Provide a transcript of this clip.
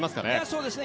そうですね。